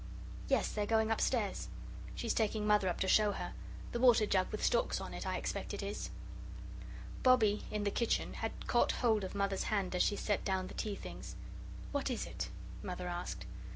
Yes, they're going upstairs. She's taking Mother up to show her the water jug with storks on it, I expect it is." Bobbie, in the kitchen, had caught hold of Mother's hand as she set down the tea things. "What is it?" Mother asked.